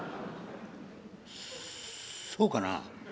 「そそうかな？」。